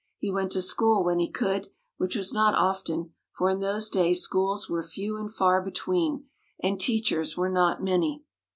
He went to school when he could, which was not often, for in those days schools were few and far between, and teachers were not many.